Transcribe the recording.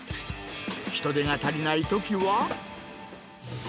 人手が足りないときは。